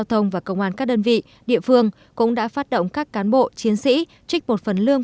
giao thông và công an các đơn vị địa phương cũng đã phát động các cán bộ chiến sĩ trích một phần lương